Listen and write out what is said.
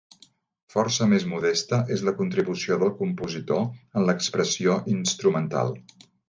Força més modesta és la contribució del compositor en l'expressió instrumental.